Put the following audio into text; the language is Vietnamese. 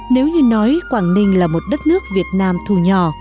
nếu như nói quảng ninh là một đất nước việt nam thù nhỏ